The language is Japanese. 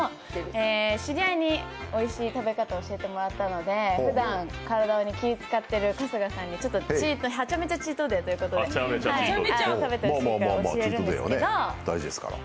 知り合いにおいしい食べ方を教えてもらったので、ふだん体に気を遣っている春日さんにはちゃめちゃチートデーということで食べてほしいんですけど。